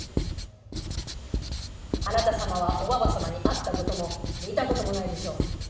あなた様はおばば様に会ったことも見たこともないでしょう。